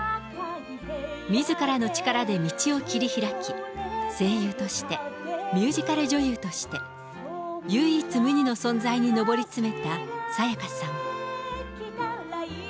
みずからの力で道を切り開き、声優として、ミュージカル女優として、唯一無二の存在に上り詰めた沙也加さん。